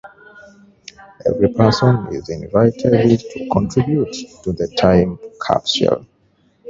Every person is invited to contribute to the time capsule.